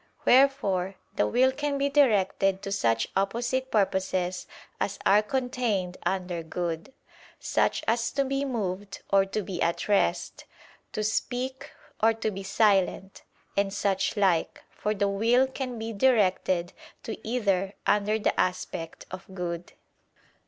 Wherefore the will can be directed to such opposite purposes as are contained under good, such as to be moved or to be at rest, to speak or to be silent, and such like: for the will can be directed to either under the aspect of good.